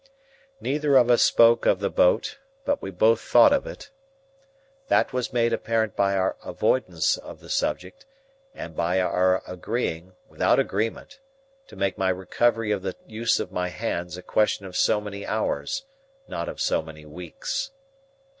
Neither of us spoke of the boat, but we both thought of it. That was made apparent by our avoidance of the subject, and by our agreeing—without agreement—to make my recovery of the use of my hands a question of so many hours, not of so many weeks.